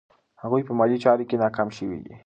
هغوی په مالي چارو کې ناکام شوي دي.